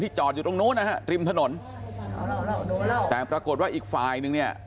จอดอยู่ตรงนู้นนะฮะริมถนนแต่ปรากฏว่าอีกฝ่ายนึงเนี่ย